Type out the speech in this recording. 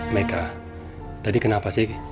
meka tadi kenapa sih